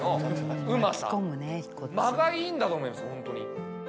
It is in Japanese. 間がいいんだと思いますホントに。